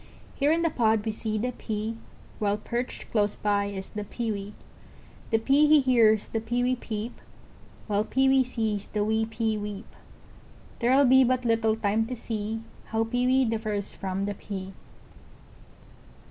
Here in the pod we see the Pea, While perched close by is the Pewee; The Pea he hears the Pewee peep, While Pewee sees the wee Pea weep, There'll be but little time to see, How Pewee differs from the Pea.